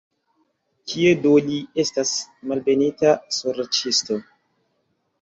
Kie do li estas, malbenita sorĉisto?